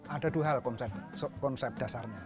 ada dua hal konsep dasarnya